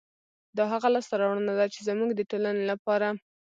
دا هغه لاسته راوړنه ده، چې زموږ د ټولنې لپاره